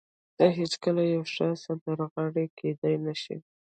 ته هېڅکله یوه ښه سندرغاړې کېدای نشې